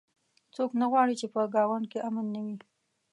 څوک نه غواړي چې په ګاونډ کې امن نه وي